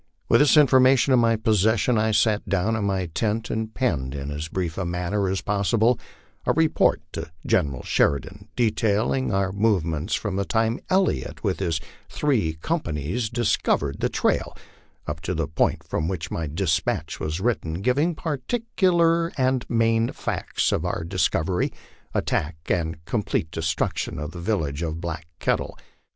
With this information in my possession, I sat down in my tent and penned, in as brief manner as possible, a report to General Sheridan detailing our movements from the time Elliott, with his three companies,, discovered the 178 LIFE OX THE PLAINS. trail, up to the point from which my despatch was written, giving particularly the main facts of our discovery, attack, and complete destruction of the village of Black Kettle.